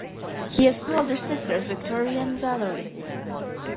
He has two older sisters, Victoria and Valerie.